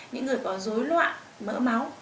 những người có dối loạn mỡ máu